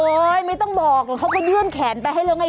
โอ๊ยไม่ต้องบอกเขาก็เดื่อนแขนไปให้เรื่องไง